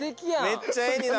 めっちゃ絵になる。